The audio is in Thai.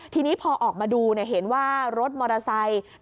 ทีนี้พอออกมาดูเห็นว่ารถมอเตอร์ไซค์